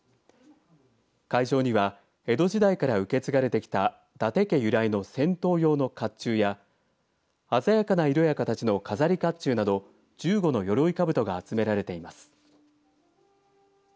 会場には江戸時代から受け継がれてきた伊達家由来の戦闘用のかっちゅうや鮮やかな色や形の飾りかっちゅうなど１５のよろいかぶとが集められています。